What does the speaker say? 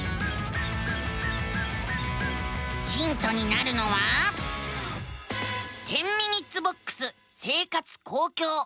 ヒントになるのは「１０ｍｉｎ．ボックス生活・公共」。